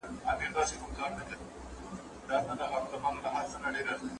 موږ بايد د فکري بېسوادانو له جذبو څخه ځان وساتو.